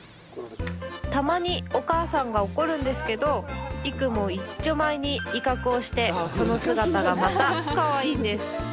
たまにお母さんが怒るんですけど育もいっちょまえに威嚇をしてその姿がまたかわいいんです。